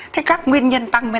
thế các nguyên nhân tăng men gan